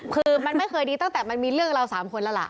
คือมันไม่เคยดีตั้งแต่มันมีเรื่องเรา๓คนแล้วล่ะ